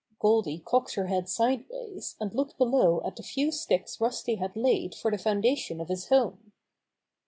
Goldy cocked her head sideways and looked below at the few sticks Rusty had laid for the foundation of his home.